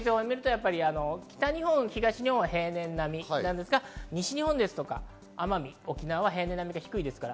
北日本、東日本は平年並みですが、西日本とか奄美、沖縄は平年並みか低いです。